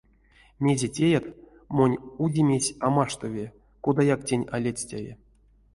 Мезе теят, монь удемесь а маштови, кодаяк тень а ледстяви.